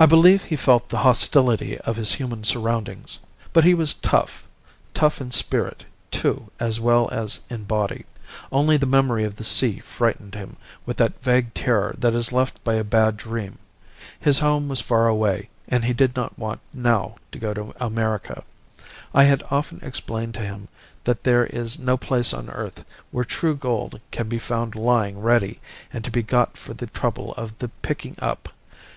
"I believe he felt the hostility of his human surroundings. But he was tough tough in spirit, too, as well as in body. Only the memory of the sea frightened him, with that vague terror that is left by a bad dream. His home was far away; and he did not want now to go to America. I had often explained to him that there is no place on earth where true gold can be found lying ready and to be got for the trouble of the picking up.